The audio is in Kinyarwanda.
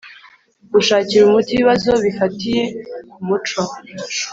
Gushakira umuti ibibazo bifatiye ku muco